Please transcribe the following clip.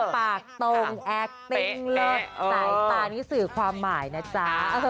ปากตรงแอคติ้งแลบสายตานี่สื่อความหมายนะจ๊ะ